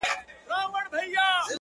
نه مي کوئ گراني; خو ستا لپاره کيږي ژوند;